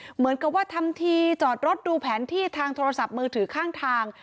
เหมือนกับว่าทำทีจอดรถดูแผนที่ทางโทรศัพท์มือถือข้างทาง